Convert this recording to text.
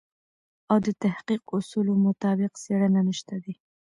او د تحقیق اصولو مطابق څېړنه نشته دی.